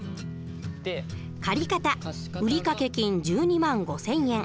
借方売掛金１２万５，０００円。